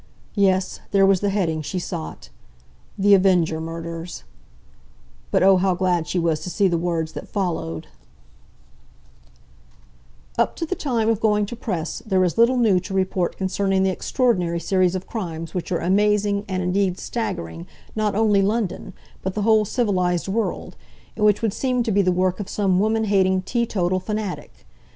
Yes, there was the heading she sought: "THE AVENGER MURDERS" But, oh, how glad she was to see the words that followed: "Up to the time of going to press there is little new to report concerning the extraordinary series of crimes which are amazing, and, indeed, staggering not only London, but the whole civilised world, and which would seem to be the work of some woman hating teetotal fanatic.